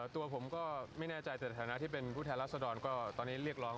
ตัวผมก็ไม่แน่ใจแต่ฐานะที่เป็นผู้แทนรัศดรก็ตอนนี้เรียกร้อง